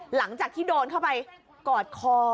หลังจากที่โดนเข้าไปกอดคอ